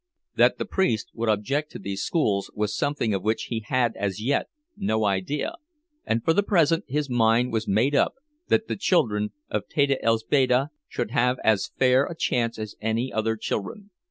That the priest would object to these schools was something of which he had as yet no idea, and for the present his mind was made up that the children of Teta Elzbieta should have as fair a chance as any other children.